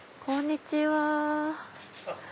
こんにちは。